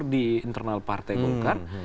di internal partai gokar